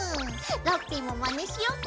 ラッピィもまねしよっかな。